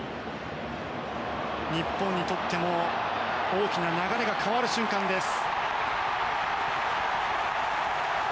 日本にとっても大きな流れが変わる瞬間です。